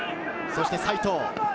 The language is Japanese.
そして齋藤。